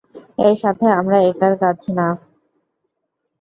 এরা আমার একার কাজ না।